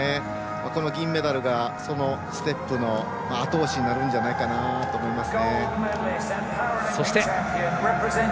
この銀メダルがそのステップのあと押しになるんじゃないかなと思います。